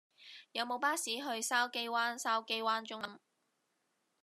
有無巴士去筲箕灣筲箕灣中心